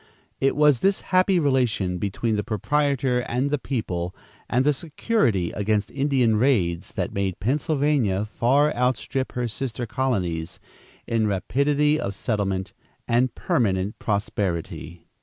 It was this happy relation between the proprietor and the people, and the security against Indian raids, that made Pennsylvania far outstrip her sister colonies in rapidity of settlement and permanent prosperity.